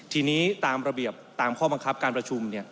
ทีนี้ตามระเบียบตามข้อบังคับการประชุม